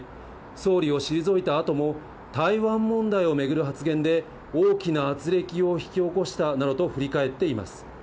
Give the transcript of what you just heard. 総理を退いたあとも台湾問題を巡る発言で、大きなあつれきを引き起こしたなどと振り返っています。